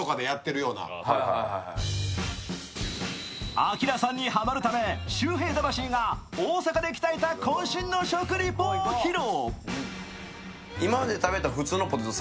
アキラさんにハマるため周平魂が大阪で鍛えたこん身の食リポを披露。